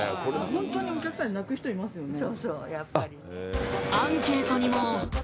ホントにお客さんで泣く人いますよね